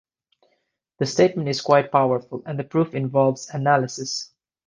The statement is quite powerful, and the proof involves analysis.